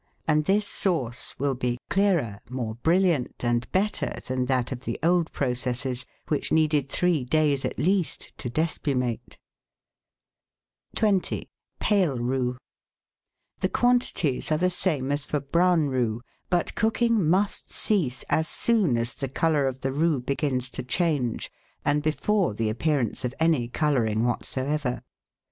And this sauce will be clearer, more brilliant, and better than that of the old processes, which needed three days at least to despumate. 1 8 GUIDE TO MODERN COOKERY 20— PALE ROUX The quantities are the same as for brown roux, but cooking must cease as soon as the colour of the roux begins to change, and before the appearance of any colouring whatsoever.